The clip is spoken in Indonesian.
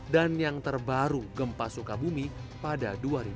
dan yang terbaru gempa sukabumi pada dua ribu satu